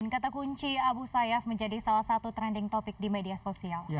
kata kunci abu sayyaf menjadi salah satu trending topic di media sosial